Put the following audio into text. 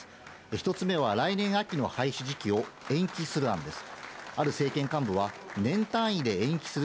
１つ目は来年秋の廃止時期を延期する案です。